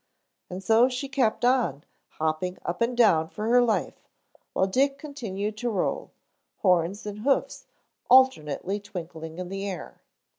And so she kept on hopping up and down for her life while Dick continued to roll, horns and hoofs alternately twinkling in the air.